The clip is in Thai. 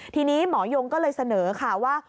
ทีนี้หมอยงก็เลยเสนอค่ะว่า